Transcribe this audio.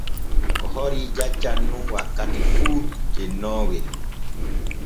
Ko horii jaccan nun wakkati fu cennoowel.